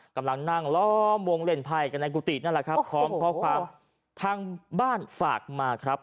กำลังนั่งล้อมวงเล่นไพ่กันในกุฏินั่นแหละครับพร้อมข้อความทางบ้านฝากมาครับ